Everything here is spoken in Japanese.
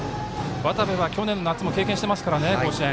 渡部は去年の夏も経験していますからね、甲子園。